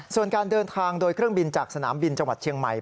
ส่วนการเดินทางโดยเครื่องบินจากสนามบินจังหวัดเชียงใหม่